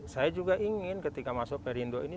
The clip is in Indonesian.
saya juga ingin ketika masuk perindo ini